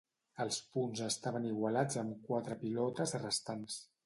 Els punts estaven igualats amb quatre pilotes restants.